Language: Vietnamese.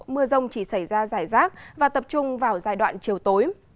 mưa rông chỉ xảy ra giải rác và tập trung vào giai đoạn chiều tối